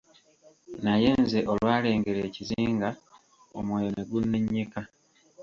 Naye nze olwalengera ekizinga, omwoyo ne gunnennyika.